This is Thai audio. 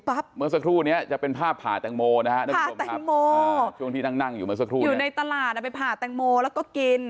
ผ่าแตงโมนะครับผ่าแตงโมช่วงที่นั่งอยู่มาสักครู่อยู่ในตลาดไปผ่าแตงโมแล้วก็กิน